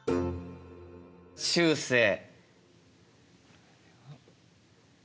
しゅうせい。